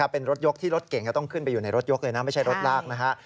เป็นรถยกที่รถเก่งต้องขึ้นไปอยู่ในรถยกเลยนะไม่ใช่รถลากนะฮะ